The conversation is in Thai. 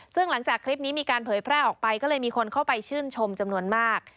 ซึ่งหลังจากคลิปนี้มีการเผยแพร่ออกไปก็เลยมีคนเข้าไปชื่นชมจำนวนมาก